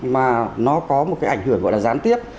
mà nó có một cái ảnh hưởng gọi là gián tiếp